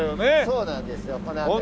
そうなんですよこの辺りは。